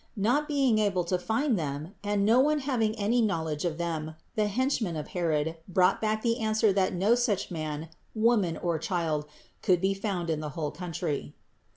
Not being able to find Them, and no one having any knowledge of Them, the henchmen of Herod brought 575 576 CITY OF GOD back the answer that no such man, woman or child could be found in the whole country.